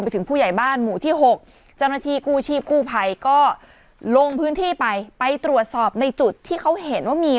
ที่หกเจ้าหน้าที่กู้ชีพกู้ภัยก็ลงพื้นที่ไปไปตรวจสอบในจุดที่เขาเห็นว่ามี